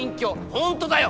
「本当だよ。